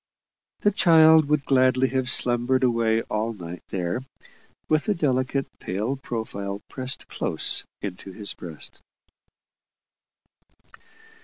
The child would gladly have slumbered away all night there, with the delicate, pale profile pressed close into his breast.